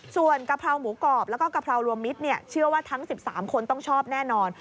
ส่วนกะเพราหมูกรอบแล้วก็กะเพรารวมมิตรเชื่อว่าทั้ง๑๓คนต้องชอบแน่นอน